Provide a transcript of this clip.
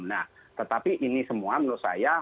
nah tetapi ini semua menurut saya